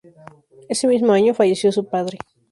Ese mismo año falleció su padre.